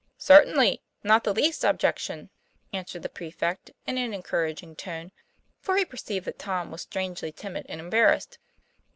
''Certainly, not the least objection," answered the prefect, in an encouraging tone; for he per ceived that Tom was strangely timid and embar rassed.